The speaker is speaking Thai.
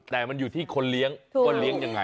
แต่มันอยู่ที่คนเลี้ยงว่าเลี้ยงยังไง